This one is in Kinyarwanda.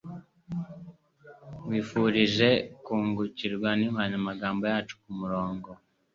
Nkwifurije kungukirwa ninkoranyamagambo yacu kumurongo